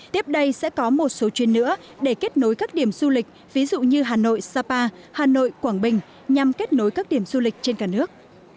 tiếp đây sẽ có một số chuyên nữa để kết nối các điểm du lịch ví dụ như hà nội sapa hà nội quảng bình nhằm kết nối các điểm du lịch trên cả nước